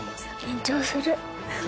緊張する？